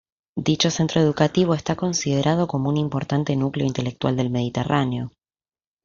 Dicho centro educativo está considerado como un importante núcleo intelectual del Mediterráneo.